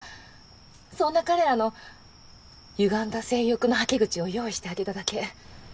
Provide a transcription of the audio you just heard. だから私がそんな彼らの歪んだ性欲のはけ口を用意してあげただけ。